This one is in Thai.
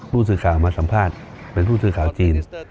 ผู้สื่อข่าวมาสัมภาษณ์เป็นผู้สื่อข่าวจีน